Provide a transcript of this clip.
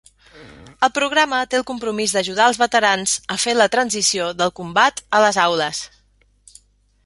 El programa té el compromís d'ajudar els veterans a fer la transició del combat a les aules.